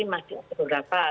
ini masih beberapa